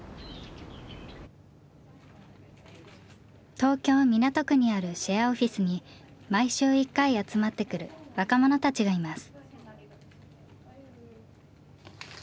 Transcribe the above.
東京・港区にあるシェアオフィスに毎週１回集まってくる若者たちがいます。